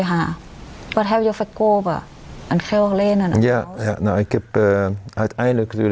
บ้าวะเอ่อเอ่อวันเองเบงก์น่าเกิดอยากเก็บดับเน็ต